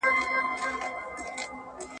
د محصلینو لیلیه بې بودیجې نه تمویلیږي.